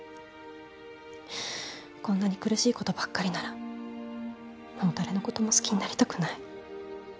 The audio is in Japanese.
こんなに苦しいことばっかりならもう誰のことも好きになりたくない。